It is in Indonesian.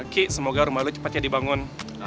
ki semoga rumah lu cepatnya dibangun